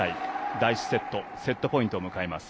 第１セットセットポイントを迎えます。